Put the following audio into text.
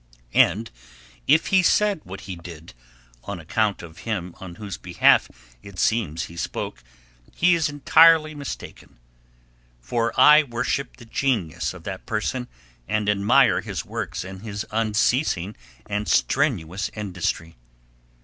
And if he said what he did on account of him on whose behalf it seems he spoke, he is entirely mistaken; for I worship the genius of that person, and admire his works and his unceasing and strenuous industry.